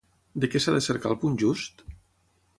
De què s'ha de cercar el punt just?